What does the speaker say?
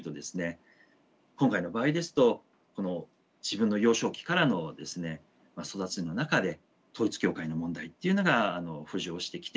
今回の場合ですとこの自分の幼少期からのですね育ちの中で統一教会の問題っていうのが浮上してきてですね